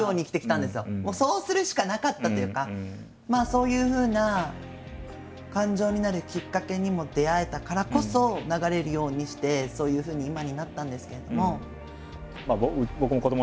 そういうふうな感情になるきっかけにも出会えたからこそ流れるようにしてそういうふうに今になったんですけれども。